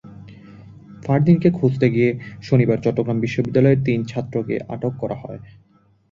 ফারদিনকে খুঁজতে গিয়ে শনিবার চট্টগ্রাম বিশ্ববিদ্যালয়ের তিন ছাত্রকে আটক করা হয়।